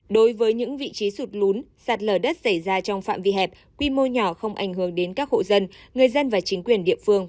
đối với những vị trí sụt lún sạt lở đất xảy ra trong phạm vi hẹp quy mô nhỏ không ảnh hưởng đến các hộ dân người dân và chính quyền địa phương